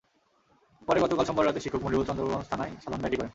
পরে গতকাল সোমবার রাতে শিক্ষক মনিরুল চন্দ্রগঞ্জ থানায় সাধারণ ডায়েরি করেন।